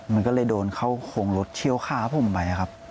มันก็เลยโดนเข้าโครงรถเชี่ยวขาผมไปครับ